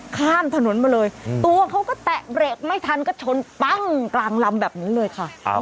ข้ามถนนมาเลยตัวเขาก็แตะเบรกไม่ทันก็ชนปั้งกลางลำแบบนั้นเลยค่ะ